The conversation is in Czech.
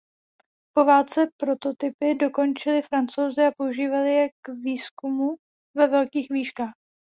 Po válce prototypy dokončili Francouzi a používali je k výzkumu ve velkých výškách.